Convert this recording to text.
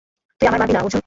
তুই আমায় মারবি না, অর্জুন।